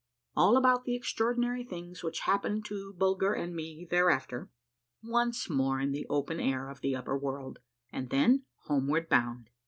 — ALL ABOUT THE EXTRAORDINARY THINGS WHICH HAPPENED TO BUL GER AND ME THEREAFTER. — ONCE MORE IN THE OPEN AIR OF THE UPPER WORLD, AND THEN HOMEWARD BOUND.